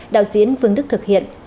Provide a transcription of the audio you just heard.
đạo diễn vương đức thực hiện